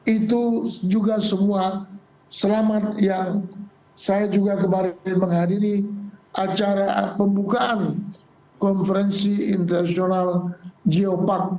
itu juga semua selamat yang saya juga kemarin menghadiri acara pembukaan konferensi internasional geopark